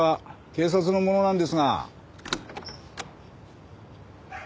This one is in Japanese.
警察の者なんですが。